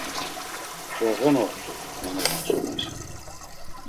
P̌roğonort̆u ma na gitzomer.